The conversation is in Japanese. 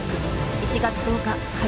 １月１０日火曜